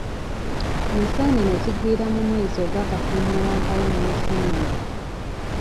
Enseenene zigwira mu mwezi ogwa Kafuumulampawu ne Museenene.